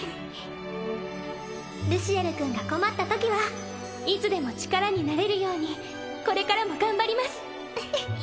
ルシエル君が困ったときはいつでも力になれるようにこれからも頑張ります